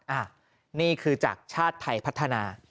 อ่ะนี่คือจากชาติไทยพัฒนา